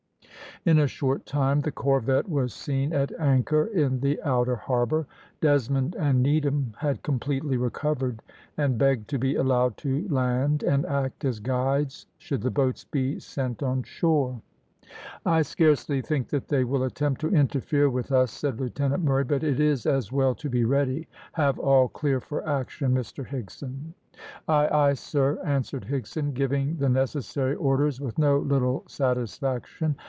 In a short time the corvette was seen at anchor in the outer harbour. Desmond and Needham had completely recovered, and begged to be allowed to land and act as guides, should the boats be sent on shore. "I scarcely think that they will attempt to interfere with us," said Lieutenant Murray, "but it is as well to be ready. Have all clear for action, Mr Higson." "Ay, ay, sir!" answered Higson, giving the necessary orders with no little satisfaction.